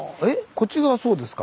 こっち側そうですか。